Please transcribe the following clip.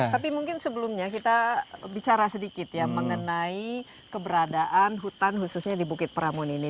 tapi mungkin sebelumnya kita bicara sedikit ya mengenai keberadaan hutan khususnya di bukit pramun ini